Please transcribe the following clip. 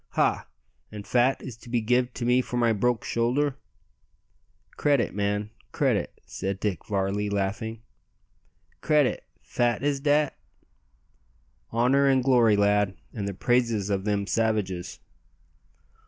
"Ha! an' fat is to be give to me for my broke shoulder?" "Credit, man, credit," said Dick Varley, laughing. "Credit! fat is dat?" "Honour and glory, lad, and the praises of them savages."